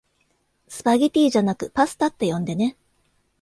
スパゲティじゃなくパスタって呼んでね